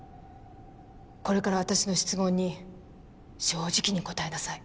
これから私の質問に正直に答えなさい。